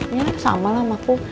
ini sama lah sama aku